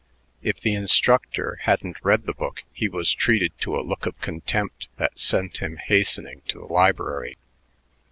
If the instructor hadn't read the book, he was treated to a look of contempt that sent him hastening to the library.